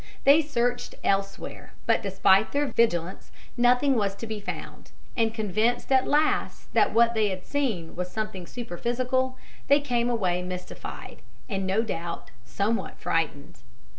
They searched elsewhere, but despite their vigilance, nothing was to be found, and convinced at last that what they had seen was something superphysical, they came away mystified, and no doubt somewhat frightened.